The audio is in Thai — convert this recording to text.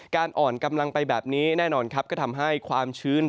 อ่อนกำลังไปแบบนี้แน่นอนครับก็ทำให้ความชื้น